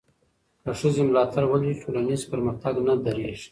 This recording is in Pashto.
که ښځې ملاتړ ولري، ټولنیز پرمختګ نه درېږي.